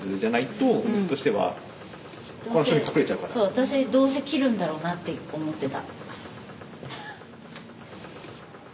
私どうせ切るんだろうなって思ってた。